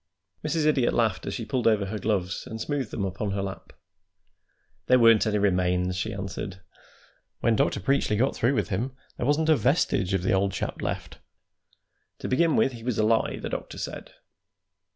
Mrs. Idiot laughed as she pulled over her gloves and smoothed them upon her lap. "There weren't any remains," she answered. "When Dr. Preachly got through with him there wasn't a vestige of the old chap left. To begin with, he was a lie, the doctor said.